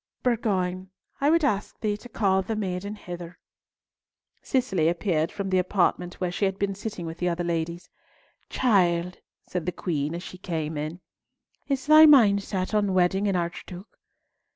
Bourgoin, I would ask thee to call the maiden hither." Cicely appeared from the apartment where she had been sitting with the other ladies. "Child," said the Queen, as she came in, "is thy mind set on wedding an archduke?"